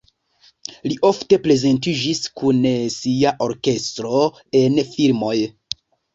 Li ofte prezentiĝis kun sia orkestro en filmoj.